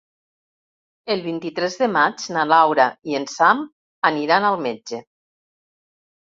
El vint-i-tres de maig na Laura i en Sam aniran al metge.